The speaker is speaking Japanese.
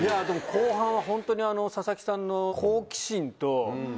後半はホントに佐々木さんの。